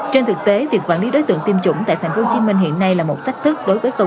trên thực tế việc quản lý đối tượng tiêm chủng tại tp hcm hiện nay là một thách thức